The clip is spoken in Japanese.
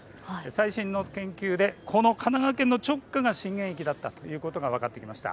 最新の研究で神奈川県の直下が震源域だったということが分かってきました。